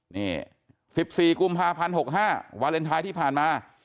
นี่๑๔กุมภาพันธ์๖๕วาเลนไทยที่ผ่านมา